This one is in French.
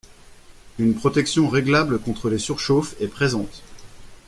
Une protection réglable contre les surchauffes est présente.